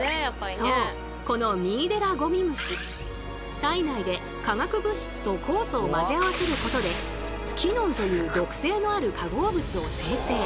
そうこのミイデラゴミムシ体内で化学物質と酵素を混ぜ合わせることでキノンという毒性のある化合物を生成。